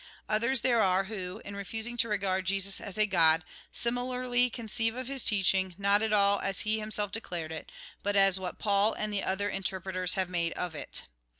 Others there are who, in refusing to regard Jesus as a God, similarly con ceive of his teaching, not at all as he himself declared it, but as what Paul and the other inter preters have made of it.